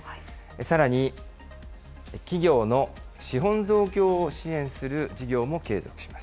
さらに、企業の資本増強を支援事業も継続します。